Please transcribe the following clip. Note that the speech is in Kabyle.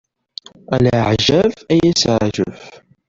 Ala aɛjab ay as-teɛjeb.